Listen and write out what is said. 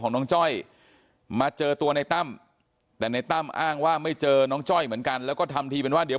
น้องจ้อยนั่งก้มหน้าไม่มีใครรู้ข่าวว่าน้องจ้อยเสียชีวิตไปแล้ว